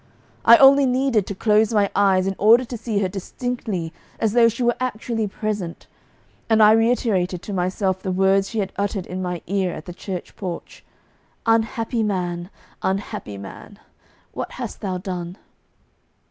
I only needed to close my eyes in order to see her distinctly as though she were actually present; and I reiterated to myself the words she had uttered in my ear at the church porch: 'Unhappy man! Unhappy man! What hast thou done?